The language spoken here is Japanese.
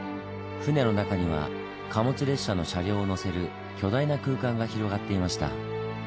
船の中には貨物列車の車両を載せる巨大な空間が広がっていました。